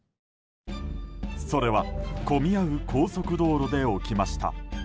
それは、混み合う高速道路で起きました。